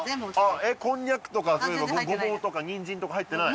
こんにゃくとかごぼうとかにんじんとか入ってない？